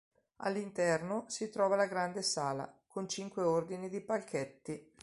All'interno, si trova la grande sala, con cinque ordini di palchetti.